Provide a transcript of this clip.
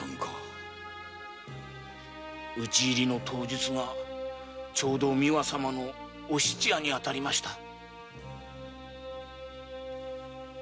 討ち入りの当日がちょうど美和様のお七夜に当たりました。